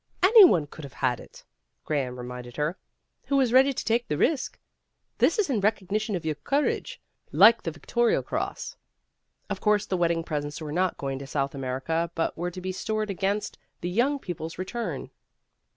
"Any one could have had it," Graham re minded her, "who was ready to take the risk. This is in recognition of your courage, like the Victoria Cross." Of course the wedding presents were not going to South America, but were to be stored against the young people's return.